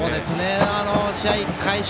試合開始